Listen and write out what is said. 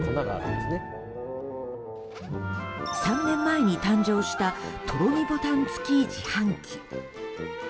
３年前に誕生したとろみボタン付き自販機。